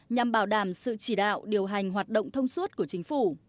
nhằm bảo đảm sự chỉ đạo điều hành hoạt động thông suốt của chính phủ